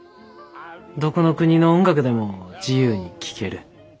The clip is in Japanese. どこの国の音楽でも自由に聴ける。